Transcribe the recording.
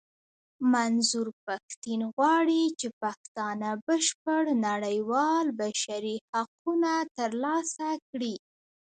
منظور پښتين غواړي چې پښتانه بشپړ نړېوال بشري حقونه ترلاسه کړي.